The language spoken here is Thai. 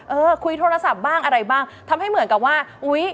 เออคุยโทรศัพท์บ้างอะไรบ้างทำให้เหมือนกับว่าอุ้ย